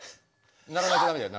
鳴らないとダメだよ。